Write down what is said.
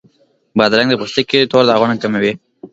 بادرنګ د پوستکي تور داغونه کموي.